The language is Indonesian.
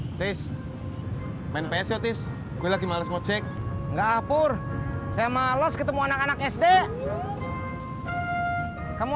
tes tes main pso tis gue lagi males mojek ngapur saya males ketemu anak anak sd kamu